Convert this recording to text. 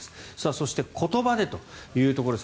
そして言葉でというところです。